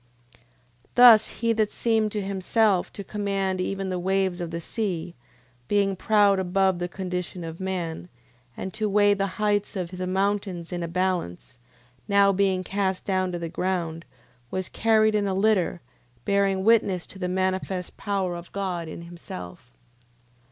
9:8. Thus he that seemed to himself to command even the waves of the sea, being proud above the condition of man, and to weigh the heights of the mountains in a balance, now being cast down to the ground, was carried in a litter, bearing witness to the manifest power of God in himself: 9:9.